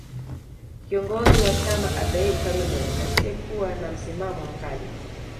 Kiongozi wa chama Abeid Karume asiyekuwa na msimamo mkali